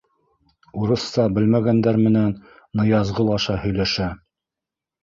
Урыҫса белмәгәндәр менән Ныязғол аша һөйләшә: